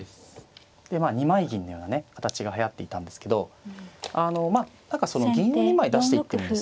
でまあ二枚銀のようなね形がはやっていたんですけどあのまあ何かその銀２枚出していってもですね